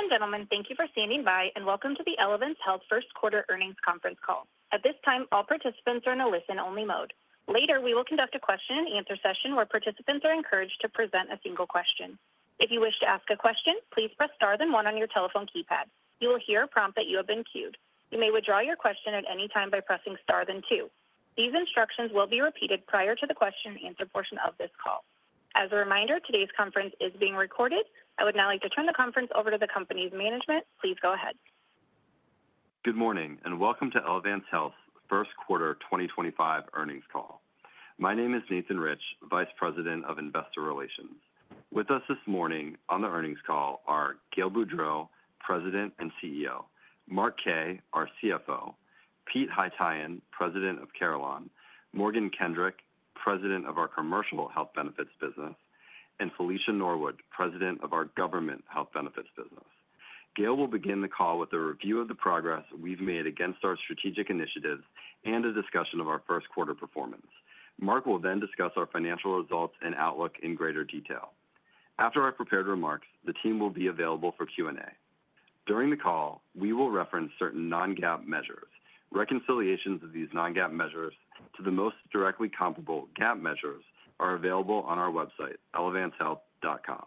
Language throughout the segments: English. Ladies and gentlemen, thank you for standing by, and welcome to the Elevance Health 1st Quarter Earnings Conference Call. At this time, all participants are in a listen-only mode. Later, we will conduct a question-and-answer session where participants are encouraged to present a single question. If you wish to ask a question, please press star then one on your telephone keypad. You will hear a prompt that you have been queued. You may withdraw your question at any time by pressing star then two. These instructions will be repeated prior to the question-and-answer portion of this call. As a reminder, today's conference is being recorded. I would now like to turn the conference over to the company's management. Please go ahead. Good morning, and welcome to Elevance Health 1st Quarter 2025 Earnings Call. My name is Nathan Rich, Vice President of Investor Relations. With us this morning on the earnings call are Gail Boudreaux, President and CEO; Mark Kaye, our CFO; Pete Haytaian, President of Carelon; Morgan Kendrick, President of our Commercial Health Benefits business; and Felicia Norwood, President of our Government Health Benefits business. Gail will begin the call with a review of the progress we've made against our strategic initiatives and a discussion of our 1st quarter performance. Mark will then discuss our financial results and outlook in greater detail. After our prepared remarks, the team will be available for Q&A. During the call, we will reference certain non-GAAP measures. Reconciliations of these non-GAAP measures to the most directly comparable GAAP measures are available on our website, elevancehealth.com.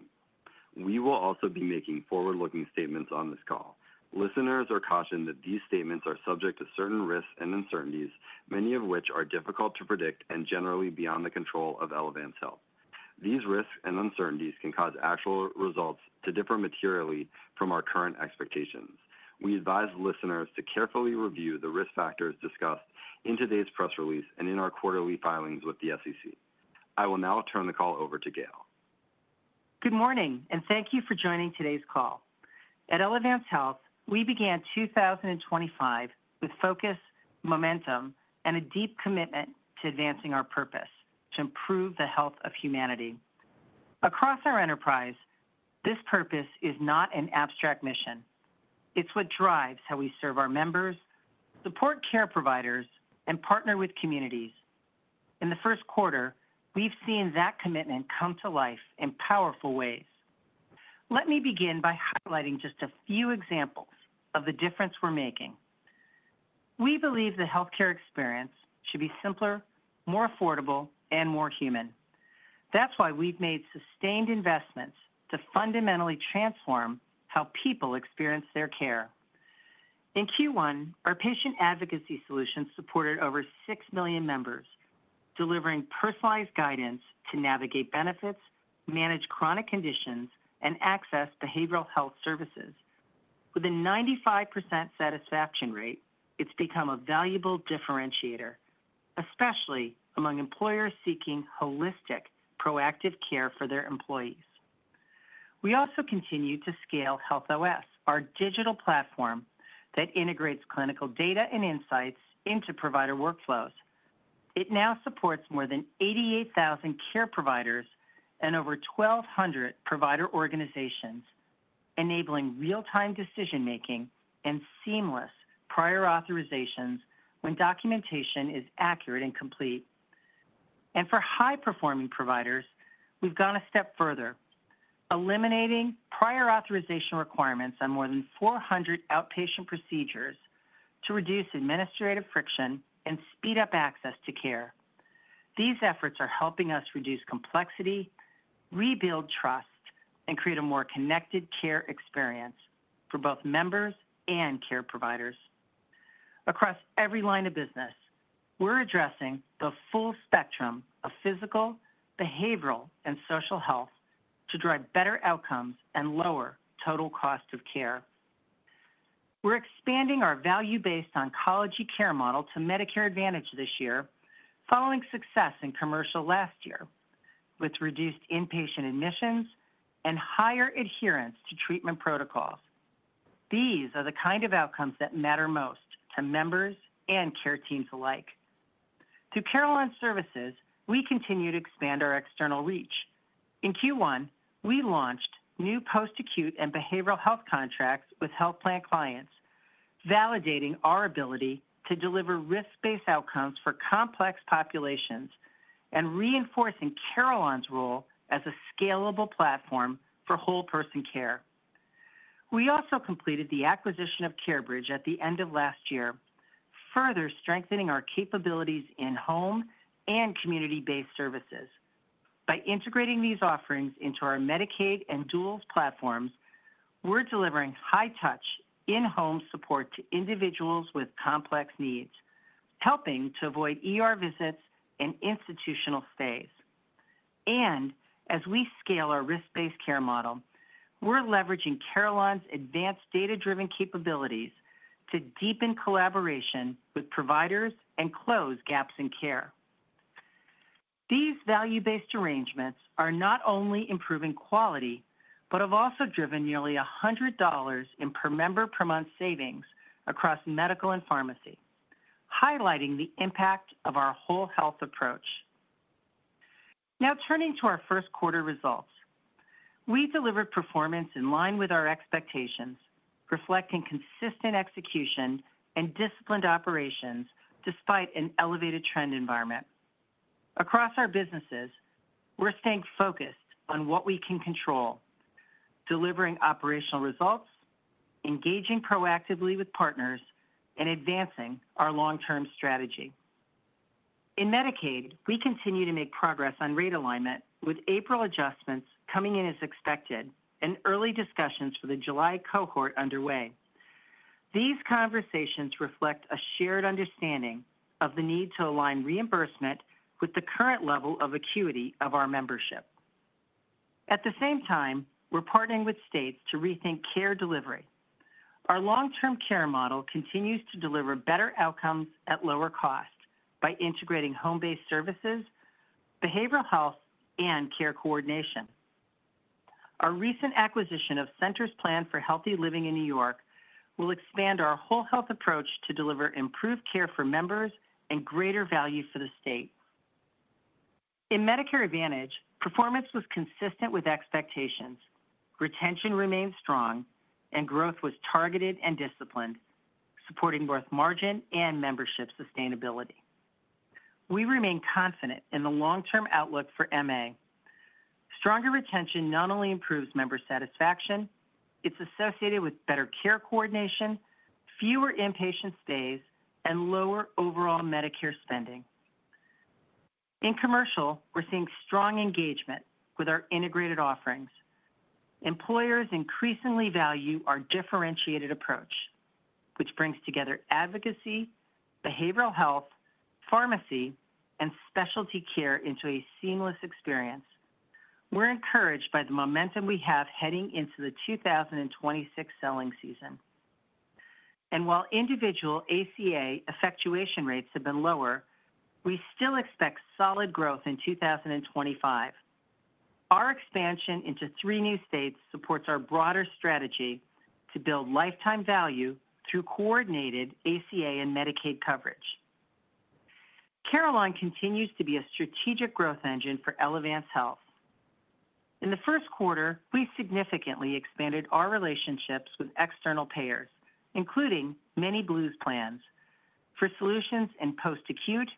We will also be making forward-looking statements on this call. Listeners are cautioned that these statements are subject to certain risks and uncertainties, many of which are difficult to predict and generally beyond the control of Elevance Health. These risks and uncertainties can cause actual results to differ materially from our current expectations. We advise listeners to carefully review the risk factors discussed in today's press release and in our quarterly filings with the SEC. I will now turn the call over to Gail. Good morning, and thank you for joining today's call. At Elevance Health, we began 2025 with focus, momentum, and a deep commitment to advancing our purpose to improve the health of humanity. Across our enterprise, this purpose is not an abstract mission. It is what drives how we serve our members, support care providers, and partner with communities. In the 1st quarter, we have seen that commitment come to life in powerful ways. Let me begin by highlighting just a few examples of the difference we are making. We believe the healthcare experience should be simpler, more affordable, and more human. That is why we have made sustained investments to fundamentally transform how people experience their care. In Q1, our Patient Advocacy Solution supported over 6 million members, delivering personalized guidance to navigate benefits, manage chronic conditions, and access behavioral health services. With a 95% satisfaction rate, it's become a valuable differentiator, especially among employers seeking holistic, proactive care for their employees. We also continue to scale HealthOS, our digital platform that integrates clinical data and insights into provider workflows. It now supports more than 88,000 care providers and over 1,200 provider organizations, enabling real-time decision-making and seamless prior authorizations when documentation is accurate and complete. For high-performing providers, we've gone a step further, eliminating prior authorization requirements on more than 400 outpatient procedures to reduce administrative friction and speed up access to care. These efforts are helping us reduce complexity, rebuild trust, and create a more connected care experience for both members and care providers. Across every line of business, we're addressing the full spectrum of physical, behavioral, and social health to drive better outcomes and lower total cost of care. We're expanding our value-based oncology care model to Medicare Advantage this year, following success in commercial last year with reduced inpatient admissions and higher adherence to treatment protocols. These are the kind of outcomes that matter most to members and care teams alike. Through Carelon Services, we continue to expand our external reach. In Q1, we launched new post-acute and behavioral health contracts with Health Plan clients, validating our ability to deliver risk-based outcomes for complex populations and reinforcing Carelon's role as a scalable platform for whole-person care. We also completed the acquisition of CareBridge at the end of last year, further strengthening our capabilities in home and community-based services. By integrating these offerings into our Medicaid and Duals platforms, we're delivering high-touch, in-home support to individuals with complex needs, helping to avoid visits and institutional stays. As we scale our risk-based care model, we're leveraging Carelon's advanced data-driven capabilities to deepen collaboration with providers and close gaps in care. These value-based arrangements are not only improving quality, but have also driven nearly $100 in per-member, per-month savings across medical and pharmacy, highlighting the impact of our whole health approach. Now, turning to our 1st quarter results, we delivered performance in line with our expectations, reflecting consistent execution and disciplined operations despite an elevated trend environment. Across our businesses, we're staying focused on what we can control, delivering operational results, engaging proactively with partners, and advancing our long-term strategy. In Medicaid, we continue to make progress on rate alignment, with April adjustments coming in as expected and early discussions for the July cohort underway. These conversations reflect a shared understanding of the need to align reimbursement with the current level of acuity of our membership. At the same time, we're partnering with states to rethink care delivery. Our long-term care model continues to deliver better outcomes at lower cost by integrating home-based services, behavioral health, and care coordination. Our recent acquisition of Centers Plan for Healthy Living in New York will expand our whole health approach to deliver improved care for members and greater value for the state. In Medicare Advantage, performance was consistent with expectations. Retention remained strong, and growth was targeted and disciplined, supporting both margin and membership sustainability. We remain confident in the long-term outlook for MA. Stronger retention not only improves member satisfaction; it's associated with better care coordination, fewer inpatient stays, and lower overall Medicare spending. In commercial, we're seeing strong engagement with our integrated offerings. Employers increasingly value our differentiated approach, which brings together advocacy, behavioral health, pharmacy, and specialty care into a seamless experience. We're encouraged by the momentum we have heading into the 2026 selling season. While individual ACA effectuation rates have been lower, we still expect solid growth in 2025. Our expansion into three new states supports our broader strategy to build lifetime value through coordinated ACA and Medicaid coverage. Carelon continues to be a strategic growth engine for Elevance Health. In the 1st quarter, we significantly expanded our relationships with external payers, including many Blues plans for solutions in post-acute,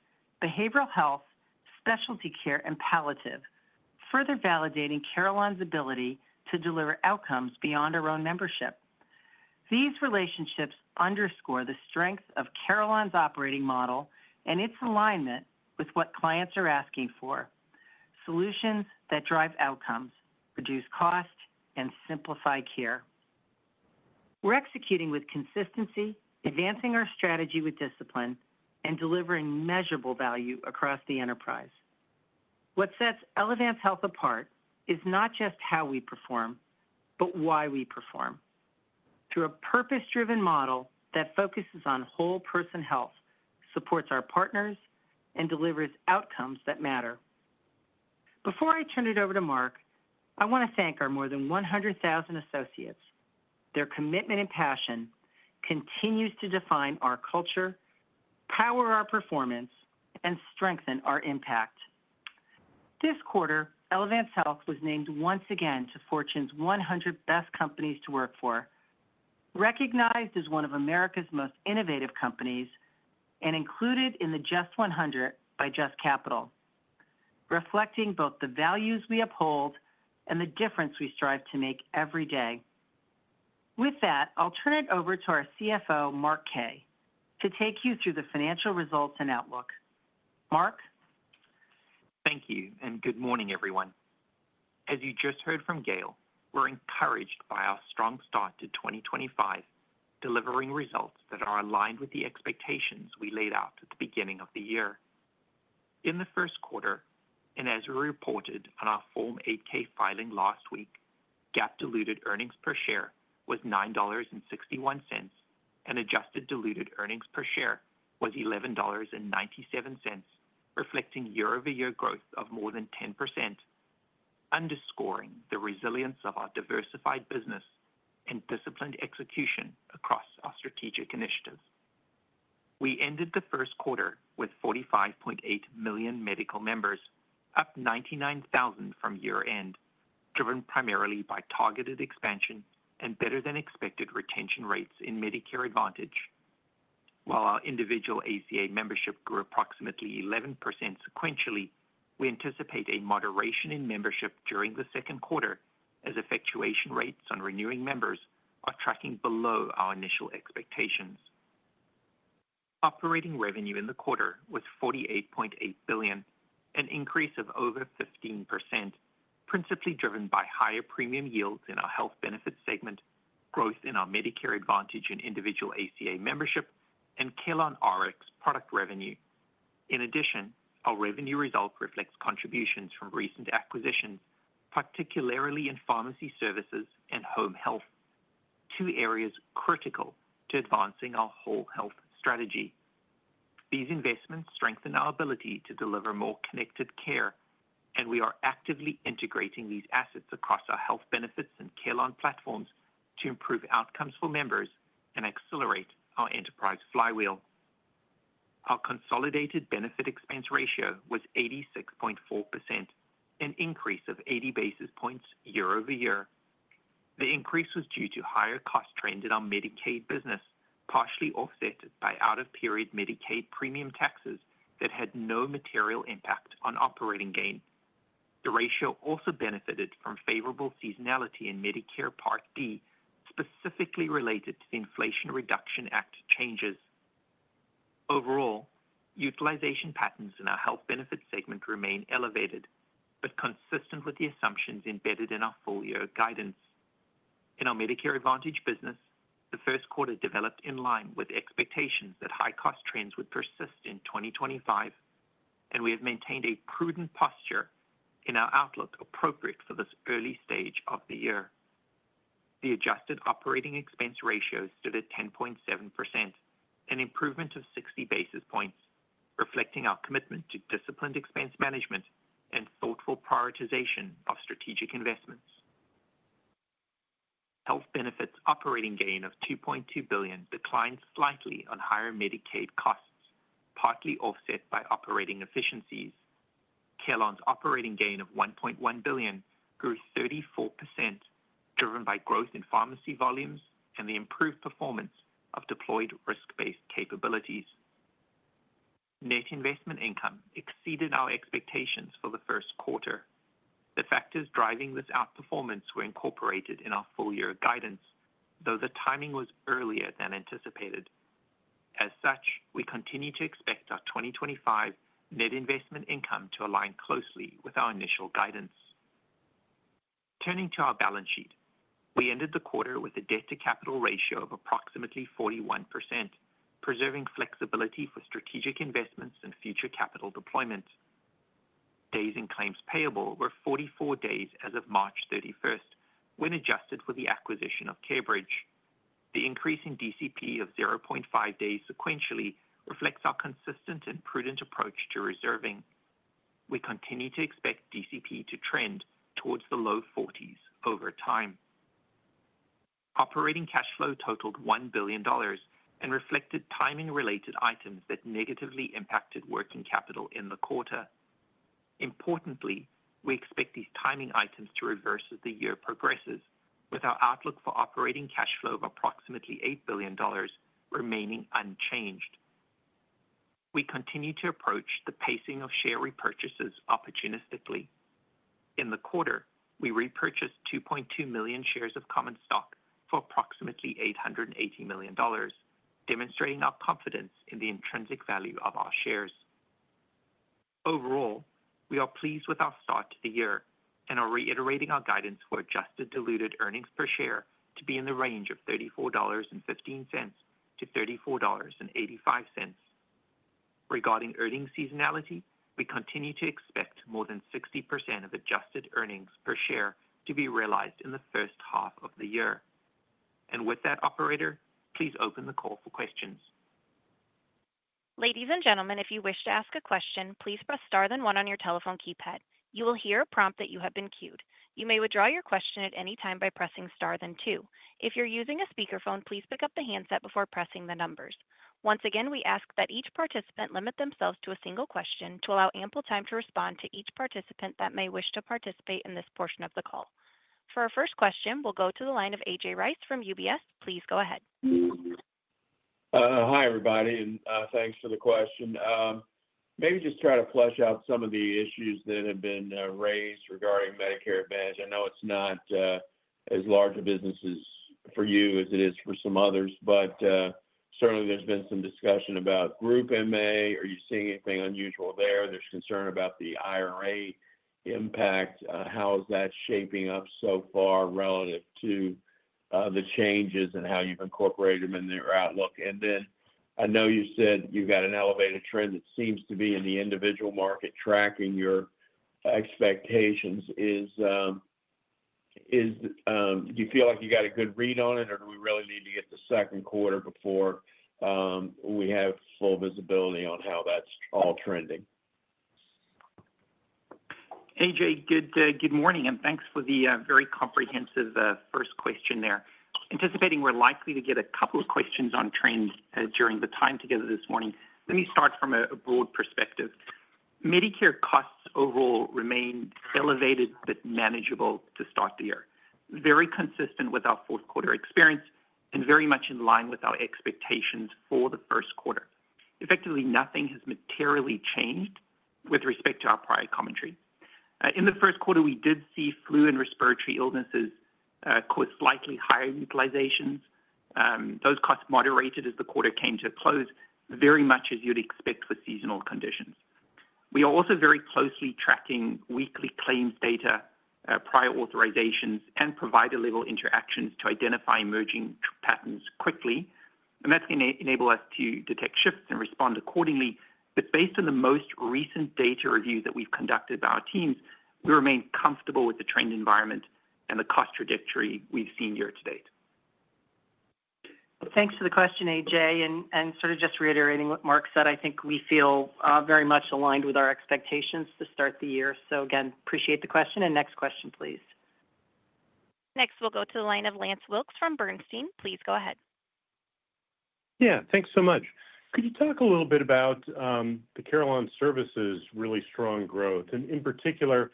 behavioral health, specialty care, and palliative, further validating Carelon's ability to deliver outcomes beyond our own membership. These relationships underscore the strength of Carelon's operating model and its alignment with what clients are asking for: solutions that drive outcomes, reduce cost, and simplify care. We're executing with consistency, advancing our strategy with discipline, and delivering measurable value across the enterprise. What sets Elevance Health apart is not just how we perform, but why we perform. Through a purpose-driven model that focuses on whole-person health, supports our partners, and delivers outcomes that matter. Before I turn it over to Mark, I want to thank our more than 100,000 associates. Their commitment and passion continue to define our culture, power our performance, and strengthen our impact. This quarter, Elevance Health was named once again to Fortune's 100 Best Companies to Work For, recognized as one of America's most innovative companies, and included in the Just 100 by Just Capital, reflecting both the values we uphold and the difference we strive to make every day. With that, I'll turn it over to our CFO, Mark Kaye, to take you through the financial results and outlook. Mark? Thank you, and good morning, everyone. As you just heard from Gail, we're encouraged by our strong start to 2025, delivering results that are aligned with the expectations we laid out at the beginning of the year. In the 1st quarter, and as we reported on our Form 8-K filing last week, GAAP-diluted earnings per share was $9.61, and adjusted diluted earnings per share was $11.97, reflecting year-over-year growth of more than 10%, underscoring the resilience of our diversified business and disciplined execution across our strategic initiatives. We ended the 1st quarter with 45.8 million medical members, up 99,000 from year-end, driven primarily by targeted expansion and better-than-expected retention rates in Medicare Advantage. While our individual ACA membership grew approximately 11% sequentially, we anticipate a moderation in membership during the 2nd quarter, as effectuation rates on renewing members are tracking below our initial expectations. Operating revenue in the quarter was $48.8 billion, an increase of over 15%, principally driven by higher premium yields in our health benefits segment, growth in our Medicare Advantage and individual ACA membership, and CarelonRx product revenue. In addition, our revenue results reflect contributions from recent acquisitions, particularly in pharmacy services and home health, two areas critical to advancing our whole health strategy. These investments strengthen our ability to deliver more connected care, and we are actively integrating these assets across our health benefits and Carelon platforms to improve outcomes for members and accelerate our enterprise flywheel. Our consolidated benefit expense ratio was 86.4%, an increase of 80 basis points year-over-year. The increase was due to higher cost trend in our Medicaid business, partially offset by out-of-period Medicaid premium taxes that had no material impact on operating gain. The ratio also benefited from favorable seasonality in Medicare Part D, specifically related to the Inflation Reduction Act changes. Overall, utilization patterns in our health benefit segment remain elevated, but consistent with the assumptions embedded in our full-year guidance. In our Medicare Advantage business, the first quarter developed in line with expectations that high-cost trends would persist in 2025, and we have maintained a prudent posture in our outlook appropriate for this early stage of the year. The adjusted operating expense ratio stood at 10.7%, an improvement of 60 basis points, reflecting our commitment to disciplined expense management and thoughtful prioritization of strategic investments. Health benefits operating gain of $2.2 billion declined slightly on higher Medicaid costs, partly offset by operating efficiencies. Carelon's operating gain of $1.1 billion grew 34%, driven by growth in pharmacy volumes and the improved performance of deployed risk-based capabilities. Net investment income exceeded our expectations for the 1st quarter. The factors driving this outperformance were incorporated in our full-year guidance, though the timing was earlier than anticipated. As such, we continue to expect our 2025 net investment income to align closely with our initial guidance. Turning to our balance sheet, we ended the quarter with a debt-to-capital ratio of approximately 41%, preserving flexibility for strategic investments and future capital deployment. Days in claims payable were 44 days as of March 31st when adjusted for the acquisition of CareBridge. The increase in DCP of 0.5 days sequentially reflects our consistent and prudent approach to reserving. We continue to expect DCP to trend towards the low 40s over time. Operating cash flow totaled $1 billion and reflected timing-related items that negatively impacted working capital in the quarter. Importantly, we expect these timing items to reverse as the year progresses, with our outlook for operating cash flow of approximately $8 billion remaining unchanged. We continue to approach the pacing of share repurchases opportunistically. In the quarter, we repurchased 2.2 million shares of common stock for approximately $880 million, demonstrating our confidence in the intrinsic value of our shares. Overall, we are pleased with our start to the year and are reiterating our guidance for adjusted diluted earnings per share to be in the range of $34.15-$34.85. Regarding earnings seasonality, we continue to expect more than 60% of adjusted earnings per share to be realized in the 1st half of the year. With that, Operator, please open the call for questions. Ladies and gentlemen, if you wish to ask a question, please press star then one on your telephone keypad. You will hear a prompt that you have been queued. You may withdraw your question at any time by pressing star then two. If you're using a speakerphone, please pick up the handset before pressing the numbers. Once again, we ask that each participant limit themselves to a single question to allow ample time to respond to each participant that may wish to participate in this portion of the call. For our first question, we'll go to the line of A.J. Rice from UBS. Please go ahead. Hi, everybody, and thanks for the question. Maybe just try to flesh out some of the issues that have been raised regarding Medicare Advantage. I know it's not as large a business for you as it is for some others, but certainly there's been some discussion about Group MA. Are you seeing anything unusual there? There's concern about the IRA impact. How is that shaping up so far relative to the changes and how you've incorporated them in your outlook? I know you said you've got an elevated trend that seems to be in the individual market tracking your expectations. Do you feel like you got a good read on it, or do we really need to get the 2nd quarter before we have full visibility on how that's all trending? A.J., good morning, and thanks for the very comprehensive first question there. Anticipating we're likely to get a couple of questions on trends during the time together this morning, let me start from a broad perspective. Medicare costs overall remain elevated but manageable to start the year, very consistent with our 4th quarter experience and very much in line with our expectations for the 1st quarter. Effectively, nothing has materially changed with respect to our prior commentary. In the 1st quarter, we did see flu and respiratory illnesses cause slightly higher utilizations. Those costs moderated as the quarter came to a close, very much as you'd expect for seasonal conditions. We are also very closely tracking weekly claims data, prior authorizations, and provider-level interactions to identify emerging patterns quickly. That is going to enable us to detect shifts and respond accordingly. Based on the most recent data review that we've conducted with our teams, we remain comfortable with the trend environment and the cost trajectory we've seen year-to-date. Thanks for the question, A.J., and sort of just reiterating what Mark said, I think we feel very much aligned with our expectations to start the year. Again, appreciate the question. Next question, please. Next, we'll go to the line of Lance Wilkes from Bernstein. Please go ahead. Yeah, thanks so much. Could you talk a little bit about the Carelon Services' really strong growth? In particular,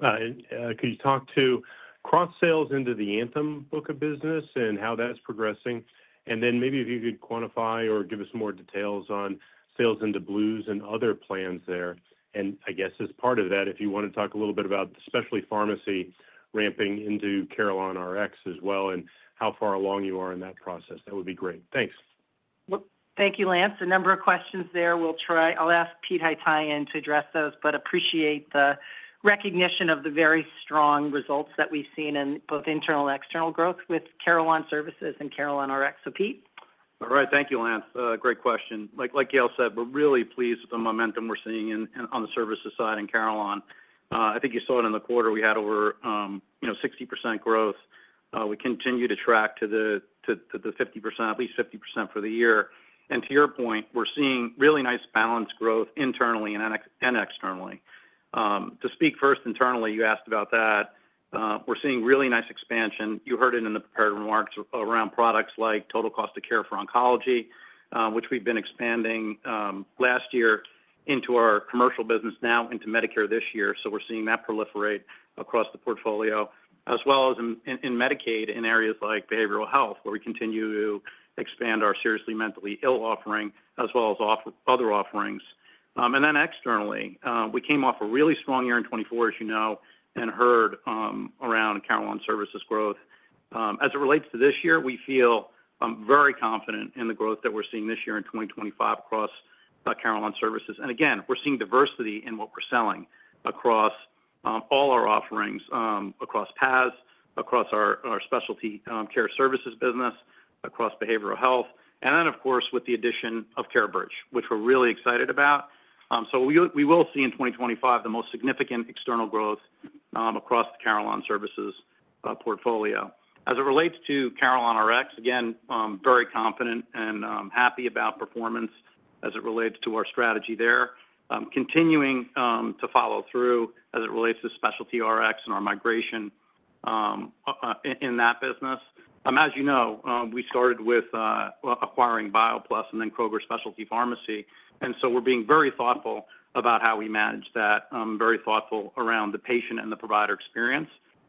could you talk to cross-sales into the Anthem book of business and how that's progressing? Maybe if you could quantify or give us more details on sales into Blues and other plans there. I guess as part of that, if you want to talk a little bit about especially pharmacy ramping into CarelonRx as well and how far along you are in that process, that would be great. Thanks. Thank you, Lance. A number of questions there. I'll ask Pete Haytaian to address those, but appreciate the recognition of the very strong results that we've seen in both internal and external growth with Carelon Services and CarelonRx. Pete. All right. Thank you, Lance. Great question. Like Gail said, we're really pleased with the momentum we're seeing on the services side in Carelon. I think you saw it in the quarter. We had over 60% growth. We continue to track to the 50%, at least 50% for the year. To your point, we're seeing really nice balanced growth internally and externally. To speak first internally, you asked about that. We're seeing really nice expansion. You heard it in the prepared remarks around products like total cost of care for oncology, which we've been expanding last year into our commercial business, now into Medicare this year. We're seeing that proliferate across the portfolio, as well as in Medicaid in areas like behavioral health, where we continue to expand our seriously mentally ill offering, as well as other offerings. Externally, we came off a really strong year in 2024, as you know, and heard around Carelon Services' growth. As it relates to this year, we feel very confident in the growth that we're seeing this year in 2025 across Carelon Services. Again, we're seeing diversity in what we're selling across all our offerings, across PAS, across our specialty care services business, across behavioral health, and then, of course, with the addition of CareBridge, which we're really excited about. We will see in 2025 the most significant external growth across the Carelon Services portfolio. As it relates to CarelonRx, again, very confident and happy about performance as it relates to our strategy there, continuing to follow through as it relates to specialty Rx and our migration in that business. As you know, we started with acquiring BioPlus and then Kroger Specialty Pharmacy. We are being very thoughtful about how we manage that, very thoughtful around the patient and the provider experience,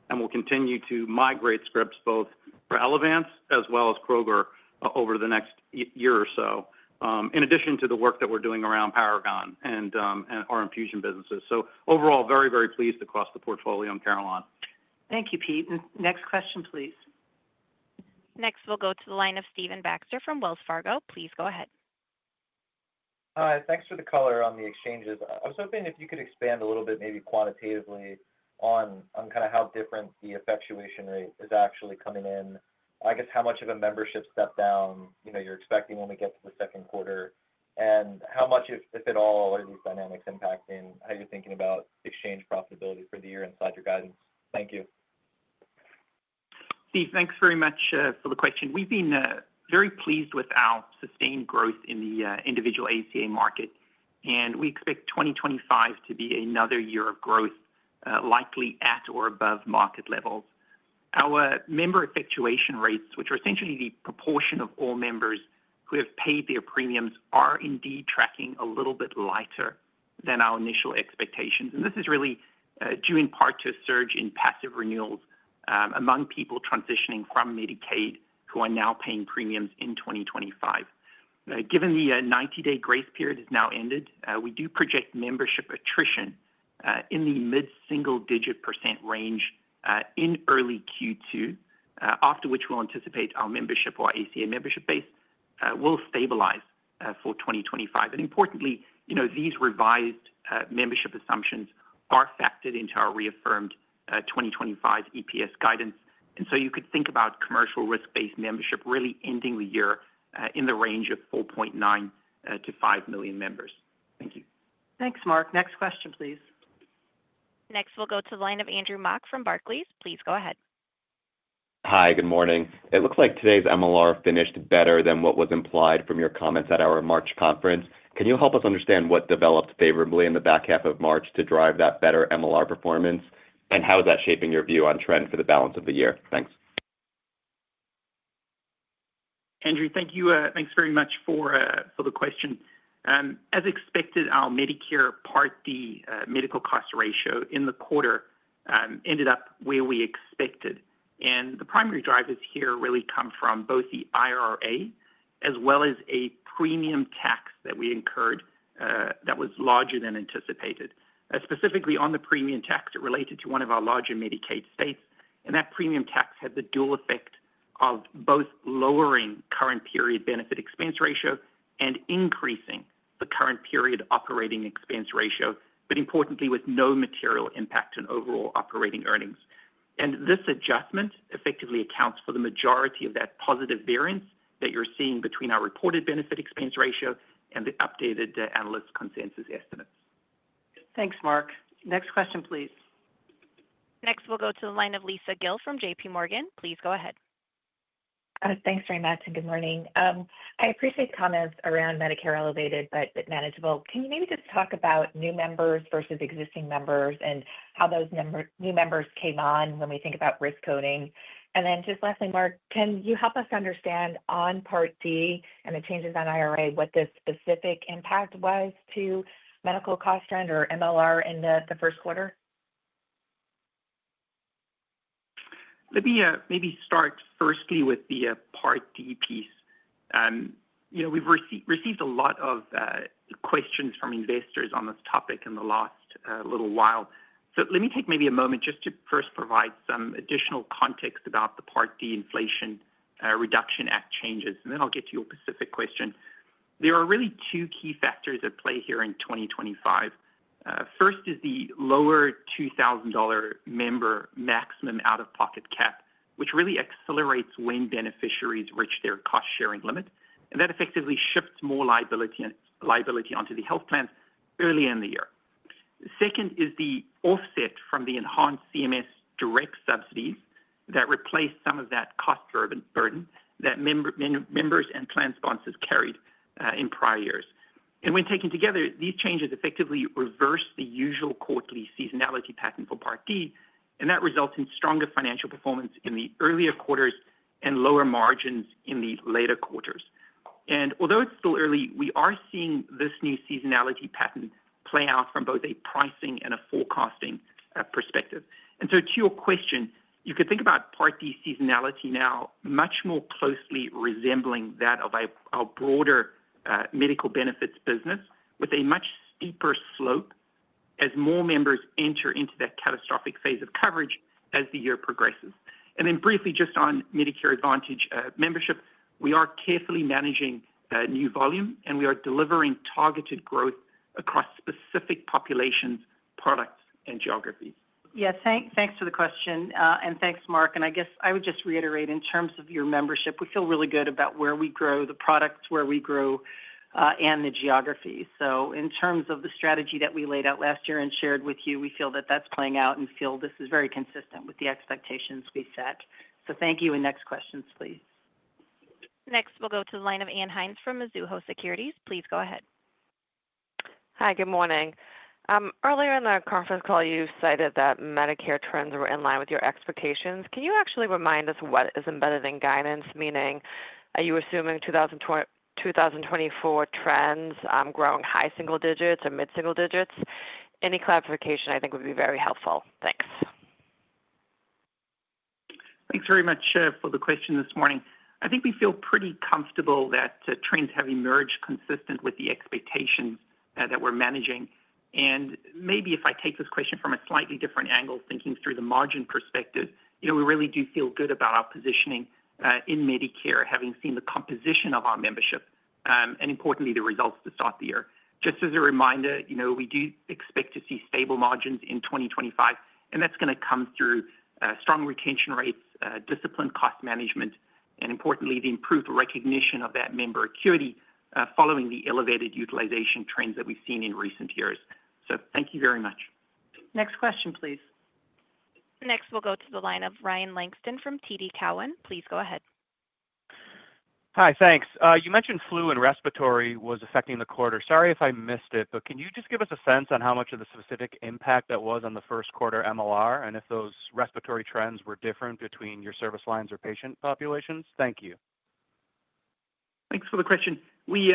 and we will continue to migrate scripts both for Elevance as well as Kroger over the next year or so, in addition to the work that we are doing around Paragon and our infusion businesses. Overall, very, very pleased across the portfolio in Carelon. Thank you, Pete. Next question, please. Next, we'll go to the line of Stephen Baxter from Wells Fargo. Please go ahead. Thanks for the color on the exchanges. I was hoping if you could expand a little bit, maybe quantitatively, on kind of how different the effectuation rate is actually coming in. I guess how much of a membership step-down you're expecting when we get to the 2nd quarter, and how much, if at all, are these dynamics impacting how you're thinking about exchange profitability for the year inside your guidance? Thank you. Steve, thanks very much for the question. We've been very pleased with our sustained growth in the individual ACA market, and we expect 2025 to be another year-of-growth, likely at or above market levels. Our member effectuation rates, which are essentially the proportion of all members who have paid their premiums, are indeed tracking a little bit lighter than our initial expectations. This is really due in part to a surge in passive renewals among people transitioning from Medicaid who are now paying premiums in 2025. Given the 90-day grace period has now ended, we do project membership attrition in the mid-single-digit % range in early Q2, after which we anticipate our membership or ACA membership base will stabilize for 2025. Importantly, these revised membership assumptions are factored into our reaffirmed 2025 EPS guidance. You could think about commercial risk-based membership really ending the year in the range of 4.9 to 5 million members. Thank you. Thanks, Mark. Next question, please. Next, we'll go to the line of Andrew Mok from Barclays. Please go ahead. Hi, good morning. It looks like today's MLR finished better than what was implied from your comments at our March conference. Can you help us understand what developed favorably in the back half of March to drive that better MLR performance, and how is that shaping your view on trend for the balance of the year? Thanks. Andrew, thank you. Thanks very much for the question. As expected, our Medicare Part D medical cost ratio in the quarter ended up where we expected. The primary drivers here really come from both the IRA as well as a premium tax that we incurred that was larger than anticipated. Specifically on the premium tax, it related to one of our larger Medicaid states. That premium tax had the dual effect of both lowering current period benefit expense ratio and increasing the current period operating expense ratio, but importantly, with no material impact on overall operating earnings. This adjustment effectively accounts for the majority of that positive variance that you're seeing between our reported benefit expense ratio and the updated analyst consensus estimates. Thanks, Mark. Next question, please. Next, we'll go to the line of Lisa Gill from J.P. Morgan. Please go ahead. Thanks, very much, and good morning. I appreciate the comments around Medicare elevated but manageable. Can you maybe just talk about new members versus existing members and how those new members came on when we think about risk coding? Lastly, Mark, can you help us understand on Part D and the changes on IRA what the specific impact was to medical cost trend or MLR in the 1st quarter? Let me maybe start firstly with the Part D piece. We've received a lot of questions from investors on this topic in the last little while. Let me take maybe a moment just to first provide some additional context about the Part D Inflation Reduction Act changes. Then I'll get to your specific question. There are really two key factors at play here in 2025. First is the lower $2,000 member maximum out-of-pocket cap, which really accelerates when beneficiaries reach their cost-sharing limit. That effectively shifts more liability onto the health plans early in the year. Second is the offset from the enhanced CMS direct subsidies that replace some of that cost burden that members and plan sponsors carried in prior years. When taken together, these changes effectively reverse the usual quarterly seasonality pattern for Part D. That results in stronger financial performance in the earlier quarters and lower margins in the later quarters. Although it's still early, we are seeing this new seasonality pattern play out from both a pricing and a forecasting perspective. To your question, you could think about Part D seasonality now much more closely resembling that of our broader medical benefits business with a much steeper slope as more members enter into that catastrophic phase of coverage as the year progresses. Briefly, just on Medicare Advantage membership, we are carefully managing new volume, and we are delivering targeted growth across specific populations, products, and geographies. Yeah, thanks for the question. Thanks, Mark. I guess I would just reiterate in terms of your membership, we feel really good about where we grow the products, where we grow, and the geography. In terms of the strategy that we laid out last year and shared with you, we feel that that's playing out and feel this is very consistent with the expectations we set. Thank you. Next questions, please. Next, we'll go to the line of Ann Hynes from Mizuho Securities. Please go ahead. Hi, good morning. Earlier in the conference call, you cited that Medicare trends were in line with your expectations. Can you actually remind us what is embedded in guidance, meaning are you assuming 2024 trends growing high single digits or mid-single digits? Any clarification, I think, would be very helpful. Thanks. Thanks very much for the question this morning. I think we feel pretty comfortable that trends have emerged consistent with the expectations that we're managing. If I take this question from a slightly different angle, thinking through the margin perspective, we really do feel good about our positioning in Medicare, having seen the composition of our membership and, importantly, the results to start the year. Just as a reminder, we do expect to see stable margins in 2025, and that's going to come through strong retention rates, disciplined cost management, and, importantly, the improved recognition of that member acuity following the elevated utilization trends that we've seen in recent years. Thank you very much. Next question, please. Next, we'll go to the line of Ryan Langston from TD Cowen. Please go ahead. Hi, thanks. You mentioned flu and respiratory was affecting the quarter. Sorry if I missed it, but can you just give us a sense on how much of the specific impact that was on the 1st quarter MLR and if those respiratory trends were different between your service lines or patient populations? Thank you. Thanks for the question. We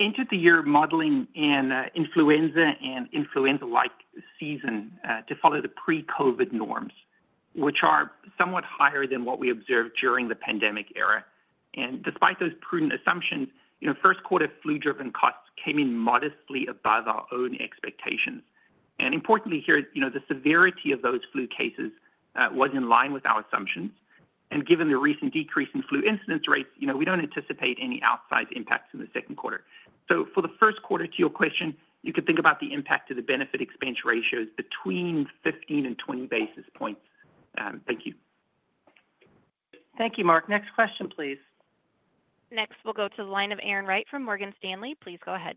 entered the year modeling in influenza and influenza-like season to follow the pre-COVID norms, which are somewhat higher than what we observed during the pandemic era. Despite those prudent assumptions, 1st quarter flu-driven costs came in modestly above our own expectations. Importantly here, the severity of those flu cases was in line with our assumptions. Given the recent decrease in flu incidence rates, we do not anticipate any outsized impacts in the 2nd quarter. For the 1st quarter, to your question, you could think about the impact of the benefit expense ratios between 15 and 20 basis points. Thank you. Thank you, Mark. Next question, please. Next, we'll go to the line of Erin Wright from Morgan Stanley. Please go ahead.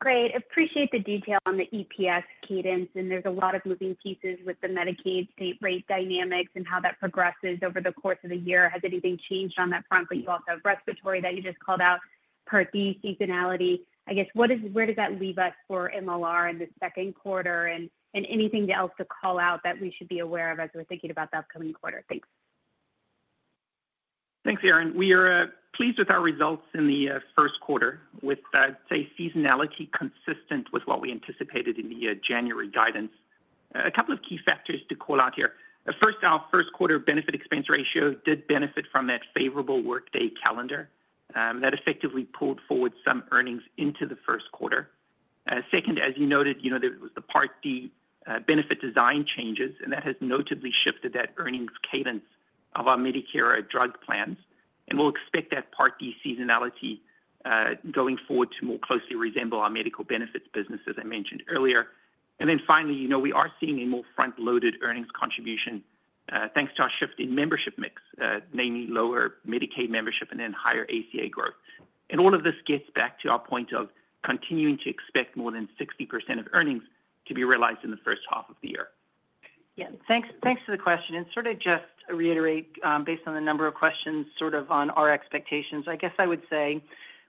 Great. Appreciate the detail on the EPS cadence. There's a lot of moving pieces with the Medicaid state rate dynamics and how that progresses over the course of the year. Has anything changed on that front? You also have respiratory that you just called out, Part D seasonality. I guess, where does that leave us for MLR in the 2nd quarter? Anything else to call out that we should be aware of as we're thinking about the upcoming quarter? Thanks. Thanks, Erin. We are pleased with our results in the 1st quarter with, I'd say, seasonality consistent with what we anticipated in the January guidance. A couple of key factors to call out here. First, our 1st quarter benefit expense ratio did benefit from that favorable workday calendar. That effectively pulled forward some earnings into the 1st quarter. Second, as you noted, there was the Part D benefit design changes, and that has notably shifted that earnings cadence of our Medicare drug plans. We will expect that Part D seasonality going forward to more closely resemble our medical benefits business, as I mentioned earlier. Finally, we are seeing a more front-loaded earnings contribution thanks to our shift in membership mix, namely lower Medicaid membership and then higher ACA growth. All of this gets back to our point of continuing to expect more than 60% of earnings to be realized in the 1st half of the year. Yeah, thanks for the question. Just to reiterate, based on the number of questions on our expectations, I guess I would say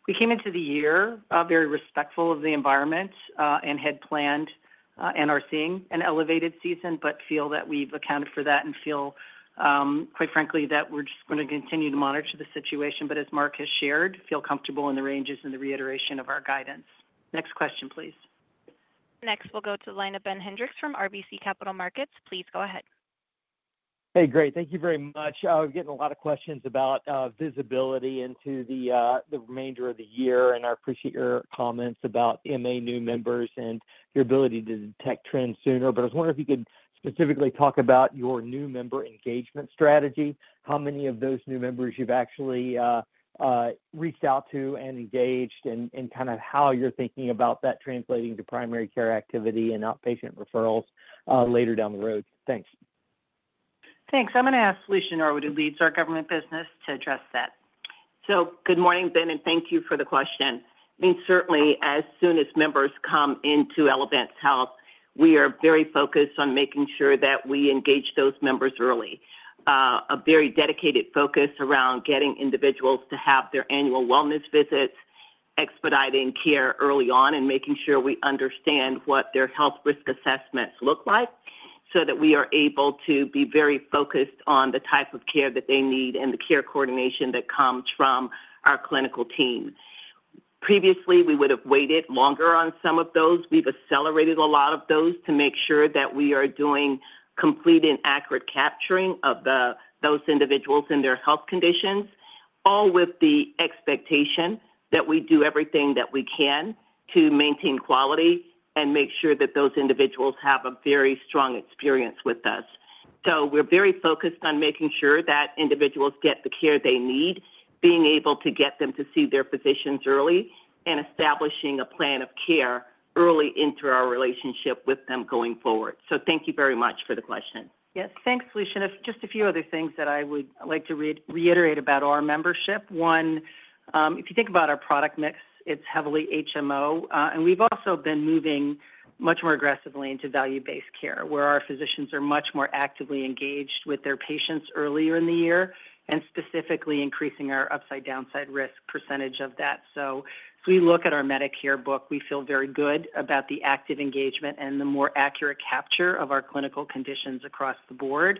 we came into the year very respectful of the environment and had planned and are seeing an elevated season, but feel that we've accounted for that and feel, quite frankly, that we're just going to continue to monitor the situation. As Mark has shared, feel comfortable in the ranges and the reiteration of our guidance. Next question, please. Next, we'll go to the line of Ben Hendrix from RBC Capital Markets. Please go ahead. Hey, great. Thank you very much. I was getting a lot of questions about visibility into the remainder of the year, and I appreciate your comments about MA new members and your ability to detect trends sooner. I was wondering if you could specifically talk about your new member engagement strategy, how many of those new members you've actually reached out to and engaged, and kind of how you're thinking about that translating to primary care activity and outpatient referrals later down the road. Thanks. Thanks. I'm going to ask Felicia Norwood, who leads our government business, to address that. Good morning, Ben, and thank you for the question. I mean, certainly, as soon as members come into Elevance Health, we are very focused on making sure that we engage those members early. A very dedicated focus around getting individuals to have their annual wellness visits, expediting care early on, and making sure we understand what their health risk assessments look like so that we are able to be very focused on the type of care that they need and the care coordination that comes from our clinical team. Previously, we would have waited longer on some of those. have accelerated a lot of those to make sure that we are doing complete and accurate capturing of those individuals and their health conditions, all with the expectation that we do everything that we can to maintain quality and make sure that those individuals have a very strong experience with us. We are very focused on making sure that individuals get the care they need, being able to get them to see their physicians early, and establishing a plan of care early into our relationship with them going forward. Thank you very much for the question. Yes, thanks, Felicia. Just a few other things that I would like to reiterate about our membership. One, if you think about our product mix, it's heavily HMO. We've also been moving much more aggressively into value-based care where our physicians are much more actively engaged with their patients earlier in the year and specifically increasing our upside-downside risk percentage of that. As we look at our Medicare book, we feel very good about the active engagement and the more accurate capture of our clinical conditions across the board.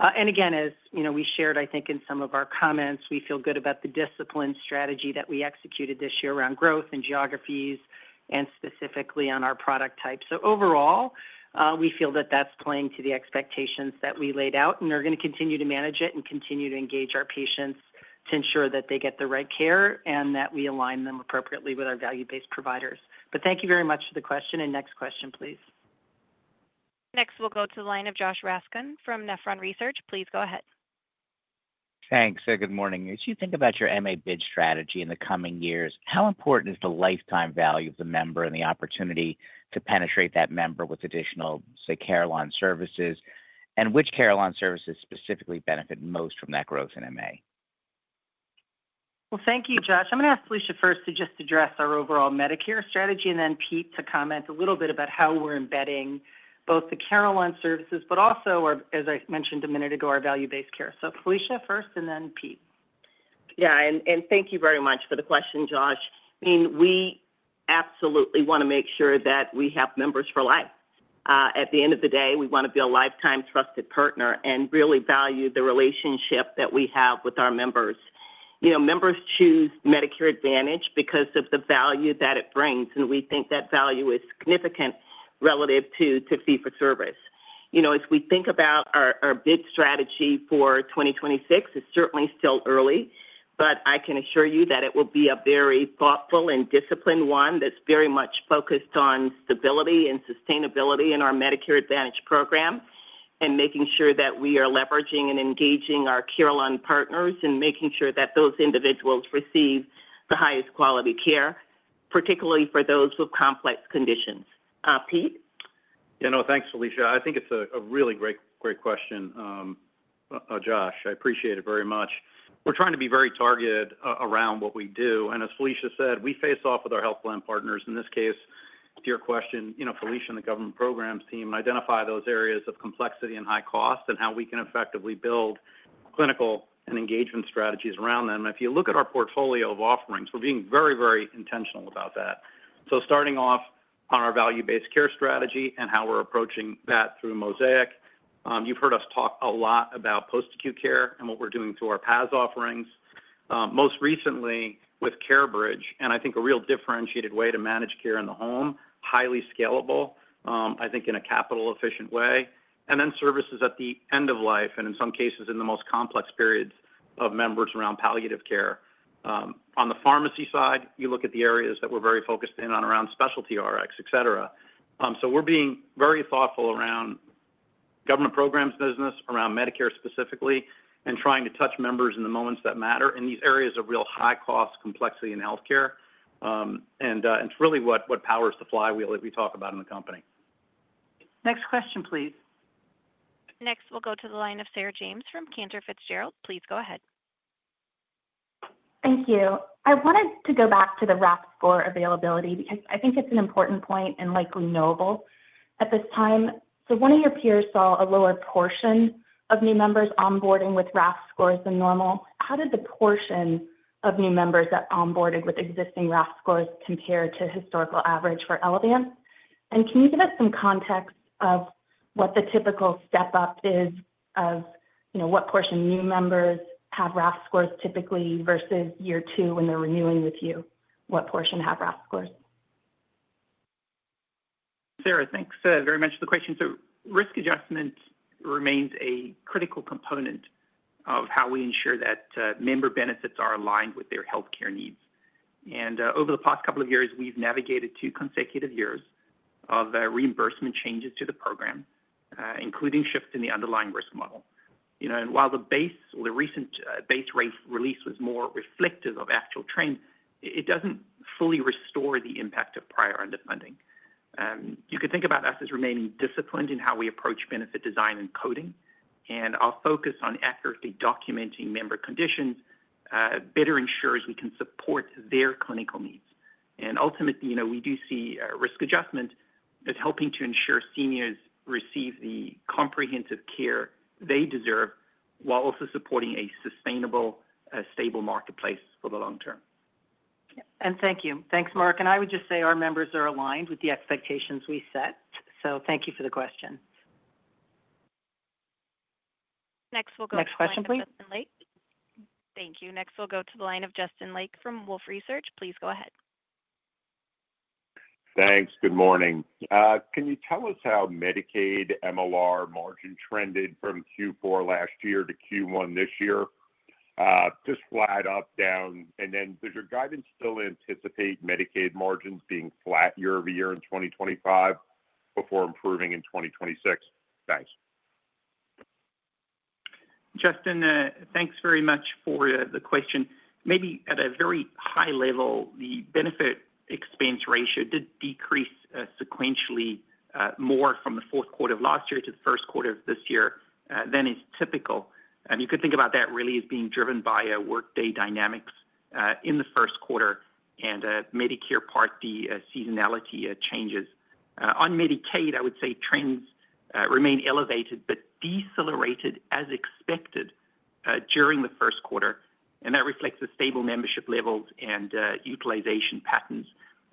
Again, as we shared, I think, in some of our comments, we feel good about the discipline strategy that we executed this year around growth and geographies and specifically on our product type. Overall, we feel that that's playing to the expectations that we laid out, and we're going to continue to manage it and continue to engage our patients to ensure that they get the right care and that we align them appropriately with our value-based providers. Thank you very much for the question. Next question, please. Next, we'll go to the line of Josh Raskin from Nephron Research. Please go ahead. Thanks. Good morning. As you think about your MA bid strategy in the coming years, how important is the lifetime value of the member and the opportunity to penetrate that member with additional, say, care-along services? Which care-along services specifically benefit most from that growth in MA? Thank you, Josh. I'm going to ask Felicia first to just address our overall Medicare strategy and then Pete to comment a little bit about how we're embedding both the Carelon Services, but also, as I mentioned a minute ago, our value-based care. Felicia first, and then Pete. Yeah, and thank you very much for the question, Josh. I mean, we absolutely want to make sure that we have members for life. At the end of the day, we want to be a lifetime trusted partner and really value the relationship that we have with our members. Members choose Medicare Advantage because of the value that it brings. We think that value is significant relative to fee-for-service. As we think about our bid strategy for 2026, it's certainly still early, but I can assure you that it will be a very thoughtful and disciplined one that's very much focused on stability and sustainability in our Medicare Advantage program and making sure that we are leveraging and engaging our Carelon partners and making sure that those individuals receive the highest quality care, particularly for those with complex conditions. Pete? Yeah, no, thanks, Felicia. I think it's a really great question, Josh. I appreciate it very much. We're trying to be very targeted around what we do. As Felicia said, we face off with our health plan partners. In this case, to your question, Felicia and the government programs team identify those areas of complexity and high cost and how we can effectively build clinical and engagement strategies around them. If you look at our portfolio of offerings, we're being very, very intentional about that. Starting off on our value-based care strategy and how we're approaching that through Mosaic, you've heard us talk a lot about post-acute care and what we're doing through our Pass offerings. Most recently with CareBridge, and I think a real differentiated way to manage care in the home, highly scalable, I think in a capital-efficient way, and then services at the end of life and in some cases in the most complex periods of members around palliative care. On the pharmacy side, you look at the areas that we're very focused in on around specialty Rx, etc. We are being very thoughtful around government programs business, around Medicare specifically, and trying to touch members in the moments that matter. These areas are real high cost, complexity in healthcare. It is really what powers the flywheel that we talk about in the company. Next question, please. Next, we'll go to the line of Sarah James from Cantor Fitzgerald. Please go ahead. Thank you. I wanted to go back to the RAF score availability because I think it's an important point and likely knowable at this time. One of your peers saw a lower portion of new members onboarding with RAF scores than normal. How did the portion of new members that onboarded with existing RAF scores compare to historical average for Elevance? Can you give us some context of what the typical step-up is of what portion new members have RAF scores typically versus year two when they're renewing with you? What portion have RAF scores? Risk adjustment remains a critical component of how we ensure that member benefits are aligned with their healthcare needs. Over the past couple of years, we have navigated two consecutive years of reimbursement changes to the program, including shifts in the underlying risk model. While the recent base rate release was more reflective of actual trends, it does not fully restore the impact of prior underfunding. You could think about us as remaining disciplined in how we approach benefit design and coding. Our focus on accurately documenting member conditions better ensures we can support their clinical needs. Ultimately, we do see risk adjustment as helping to ensure seniors receive the comprehensive care they deserve while also supporting a sustainable, stable marketplace for the long term. Thank you. Thanks, Mark. I would just say our members are aligned with the expectations we set. Thank you for the question. Next, we'll go to. Next question, please. Thank you. Next, we'll go to the line of Justin Lake from Wolfe Research. Please go ahead. Thanks. Good morning. Can you tell us how Medicaid MLR margin trended from Q4 last year to Q1 this year? Just flat, up, down. Does your guidance still anticipate Medicaid margins being flat year-over-year in 2025 before improving in 2026? Thanks. Justin, thanks very much for the question. Maybe at a very high level, the benefit expense ratio did decrease sequentially more from the 4th quarter of last year to the 1st quarter of this year than is typical. You could think about that really as being driven by workday dynamics in the 1st quarter and Medicare Part D seasonality changes. On Medicaid, I would say trends remain elevated but decelerated as expected during the 1st quarter. That reflects the stable membership levels and utilization patterns.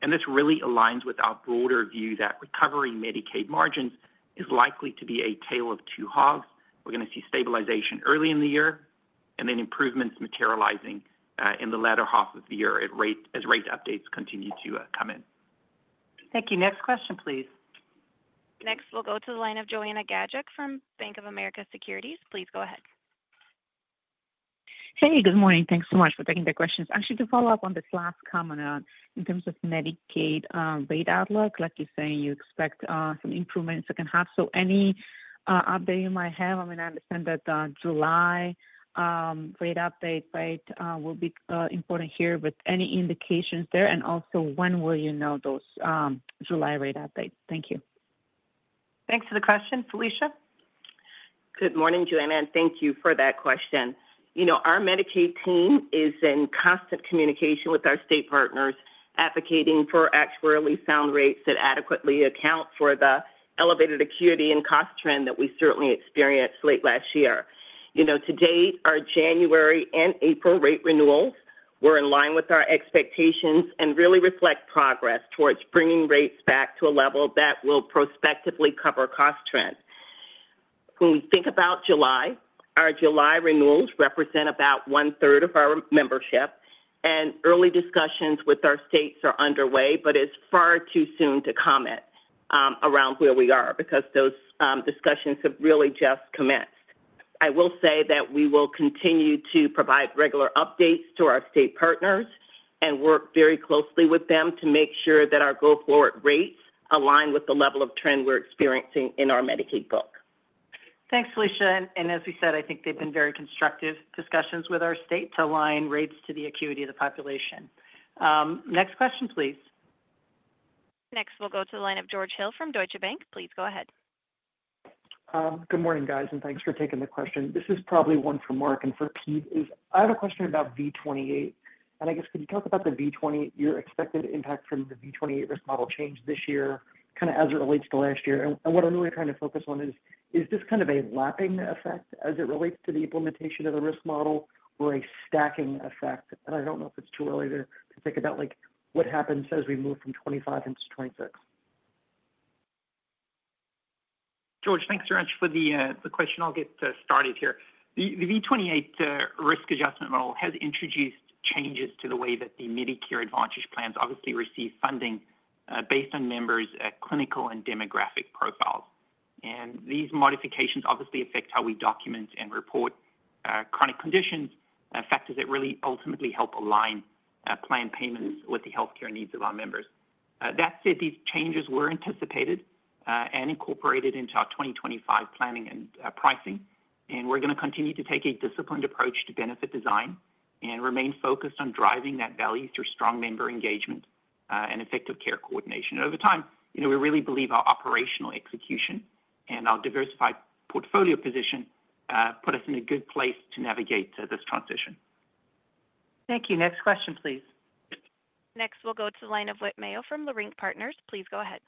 This really aligns with our broader view that recovering Medicaid margins is likely to be a tale of two halves. We're going to see stabilization early in the year and then improvements materializing in the latter half of the year as rate updates continue to come in. Thank you. Next question, please. Next, we'll go to the line of Joanna Gajuk from Bank of America Securities. Please go ahead. Hey, good morning. Thanks so much for taking the questions. Actually, to follow up on this last comment in terms of Medicaid rate outlook, like you're saying, you expect some improvement in the 2nd half. Any update you might have? I mean, I understand that July rate update rate will be important here, but any indications there? Also, when will you know those July rate updates? Thank you. Thanks for the question. Felicia? Good morning, Joanna. Thank you for that question. Our Medicaid team is in constant communication with our state partners advocating for actually sound rates that adequately account for the elevated acuity and cost trend that we certainly experienced late last year. To date, our January and April rate renewals were in line with our expectations and really reflect progress towards bringing rates back to a level that will prospectively cover cost trends. When we think about July, our July renewals represent about 1/3 of our membership. Early discussions with our states are underway, but it's far too soon to comment around where we are because those discussions have really just commenced. I will say that we will continue to provide regular updates to our state partners and work very closely with them to make sure that our go-forward rates align with the level of trend we're experiencing in our Medicaid book. Thanks, Felicia. As we said, I think they've been very constructive discussions with our state to align rates to the acuity of the population. Next question, please. Next, we'll go to the line of George Hill from Deutsche Bank. Please go ahead. Good morning, guys, and thanks for taking the question. This is probably one for Mark and for Pete. I have a question about V28. I guess, could you talk about the V28, your expected impact from the V28 risk model change this year, kind of as it relates to last year? What I'm really trying to focus on is, is this kind of a lapping effect as it relates to the implementation of the risk model or a stacking effect? I don't know if it's too early to think about what happens as we move from 2025 into 2026. George, thanks very much for the question. I'll get started here. The V28 risk adjustment model has introduced changes to the way that the Medicare Advantage plans obviously receive funding based on members' clinical and demographic profiles. These modifications obviously affect how we document and report chronic conditions, factors that really ultimately help align plan payments with the healthcare needs of our members. That said, these changes were anticipated and incorporated into our 2025 planning and pricing. We are going to continue to take a disciplined approach to benefit design and remain focused on driving that value through strong member engagement and effective care coordination. Over time, we really believe our operational execution and our diversified portfolio position put us in a good place to navigate this transition. Thank you. Next question, please. Next, we'll go to the line of Whit Mayo from Leerink Partners. Please go ahead.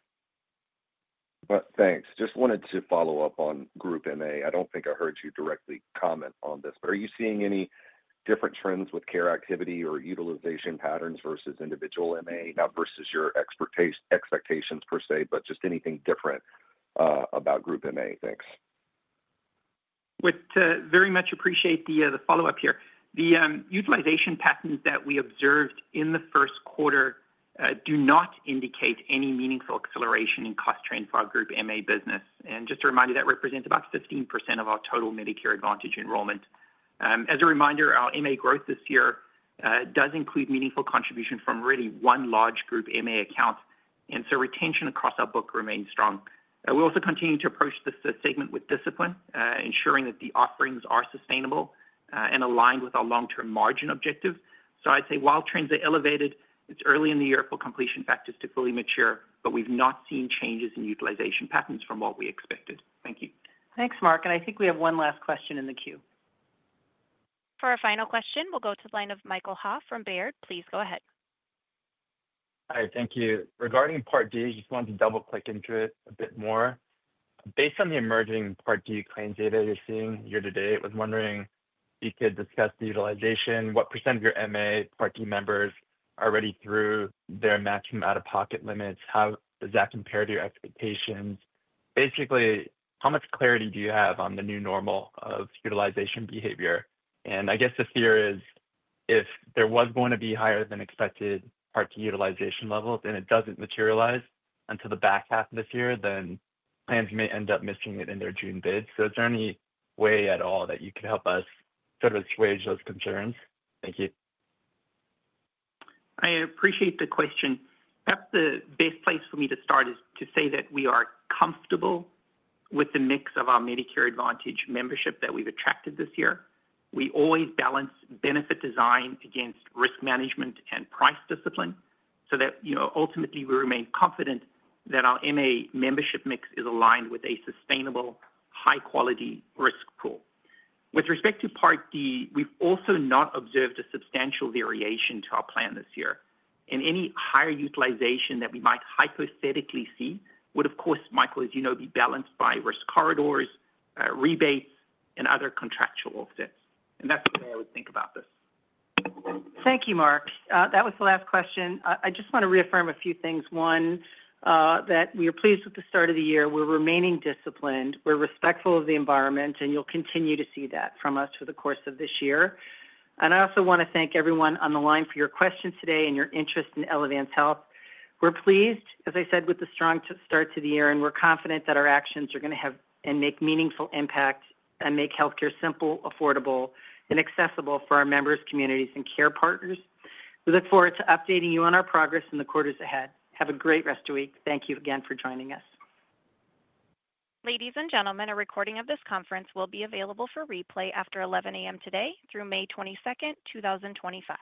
Thanks. Just wanted to follow up on Group MA. I don't think I heard you directly comment on this, but are you seeing any different trends with care activity or utilization patterns versus Individual MA? Not versus your expectations per se, but just anything different about Group MA. Thanks. Would very much appreciate the follow-up here. The utilization patterns that we observed in the 1st quarter do not indicate any meaningful acceleration in cost trend for our Group MA business. Just a reminder, that represents about 15% of our total Medicare Advantage enrollment. As a reminder, our MA growth this year does include meaningful contribution from really one large Group MA account. Retention across our book remains strong. We also continue to approach this segment with discipline, ensuring that the offerings are sustainable and aligned with our long-term margin objectives. I'd say while trends are elevated, it's early in the year for completion factors to fully mature, but we've not seen changes in utilization patterns from what we expected. Thank you. Thanks, Mark. I think we have one last question in the queue. For our final question, we'll go to the line of Michael Ha from Baird. Please go ahead. Hi, thank you. Regarding Part D, I just wanted to double-click into it a bit more. Based on the emerging Part D claims data you're seeing year-to-date, I was wondering if you could discuss the utilization, what % of your MA Part D members are already through their maximum out-of-pocket limits? How does that compare to your expectations? Basically, how much clarity do you have on the new normal of utilization behavior? I guess the fear is if there was going to be higher than expected Part D utilization levels and it doesn't materialize until the back half of this year, then plans may end up missing it in their June bid. Is there any way at all that you could help us sort of assuage those concerns? Thank you. I appreciate the question. Perhaps the best place for me to start is to say that we are comfortable with the mix of our Medicare Advantage membership that we've attracted this year. We always balance benefit design against risk management and price discipline so that ultimately we remain confident that our MA membership mix is aligned with a sustainable, high-quality risk pool. With respect to Part D, we've also not observed a substantial variation to our plan this year. Any higher utilization that we might hypothetically see would, of course, Michael, as you know, be balanced by risk corridors, rebates, and other contractual offsets. That is the way I would think about this. Thank you, Mark. That was the last question. I just want to reaffirm a few things. One, that we are pleased with the start of the year. We're remaining disciplined. We're respectful of the environment, and you'll continue to see that from us for the course of this year. I also want to thank everyone on the line for your questions today and your interest in Elevance Health. We're pleased, as I said, with the strong start to the year, and we're confident that our actions are going to have and make meaningful impact and make healthcare simple, affordable, and accessible for our members, communities, and care partners. We look forward to updating you on our progress in the quarters ahead. Have a great rest of the week. Thank you again for joining us. Ladies and gentlemen, a recording of this conference will be available for replay after 11:00 A.M. today through May 22, 2025.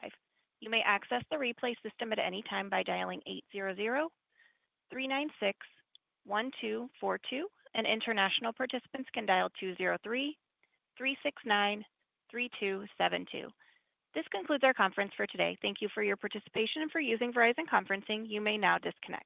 You may access the replay system at any time by dialing 800-396-1242. International participants can dial 203-369-3272. This concludes our conference for today. Thank you for your participation and for using Verizon Conferencing. You may now disconnect.